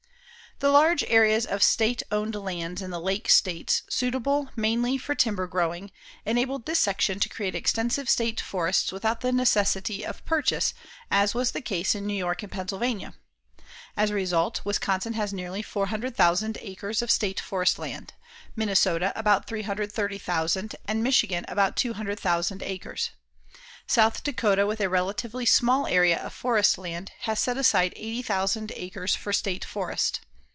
The large areas of state owned lands in the Lake States suitable, mainly, for timber growing, enabled this section to create extensive state forests without the necessity of purchase as was the case in New York and Pennsylvania. As a result, Wisconsin has nearly 400,000 acres of state forest land, Minnesota, about 330,000, and Michigan, about 200,000 acres. South Dakota, with a relatively small area of forest land, has set aside 80,000 acres for state forest.